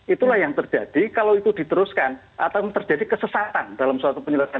itulah yang terjadi kalau itu diteruskan atau terjadi kesesatan dalam suatu penyelesaian